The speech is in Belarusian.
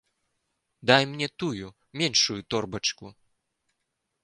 Дай мне тую, меншую торбачку.